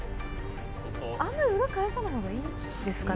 あんまり裏返さない方がいいですかね？